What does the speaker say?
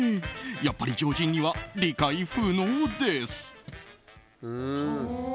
やっぱり常人には理解不能です。